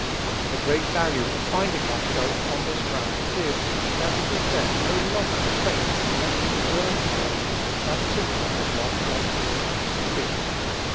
The great value of finding oneself on this ground is, that it is then no longer a question of what we deserve to get, but simply of what God is pleased to give.